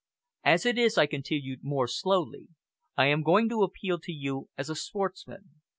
As it is," I continued more slowly, "I am going to appeal to you as a sportsman!